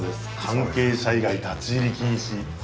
「関係者以外立入禁止」。